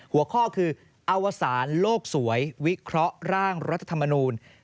หัวข้อคืออวสารโลกสวยวิเคราะห์ร่างรัฐธรรมนูล